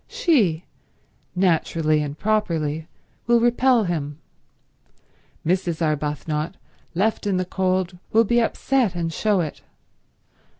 She, naturally and properly, will repel him. Mrs. Arbuthnot, left in the cold, will be upset and show it.